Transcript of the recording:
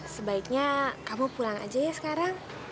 sebaiknya kamu pulang aja ya sekarang